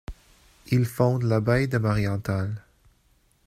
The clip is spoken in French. Il fonde l'abbaye de Mariental.